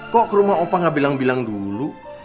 kok ke rumah opa gak bilang bilang dulu